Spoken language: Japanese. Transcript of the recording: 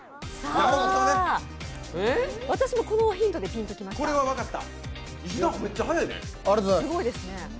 私もこのヒントでピンときました。